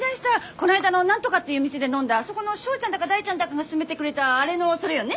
こないだの何とかっていう店で飲んだあそこのショウちゃんだかダイちゃんだかが薦めてくれたあれのそれよね？